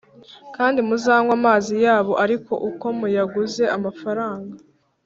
kandi muzanywe amazi yabo ari uko muyaguze amafaranga